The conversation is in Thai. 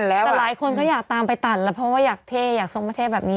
แต่หลายคนก็อยากตามไปตัดแล้วเพราะว่าอยากเท่อยากทรงประเทศแบบนี้